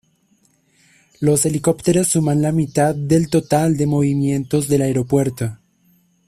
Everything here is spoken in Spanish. Los helicópteros suman la mitad del total de movimientos del aeropuerto.